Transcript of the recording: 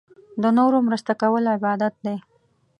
د نورو مرسته کول عبادت دی.